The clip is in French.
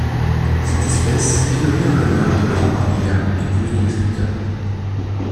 Cette espèce est nommée en l'honneur de Laura Hormiga, épouse du descripteur.